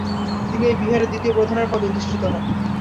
তিনি ঐ বিহারের দ্বিতীয় প্রধানের পদে অধিষ্ঠিত হন।